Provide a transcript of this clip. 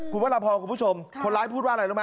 คุณพลวดละพอคุณผู้ชมคนร้ายพูดว่าอะไรรู้มั้ย